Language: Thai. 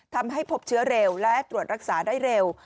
ทำให้พบเชื้อเร็วและตรวจรักษาได้เร็ว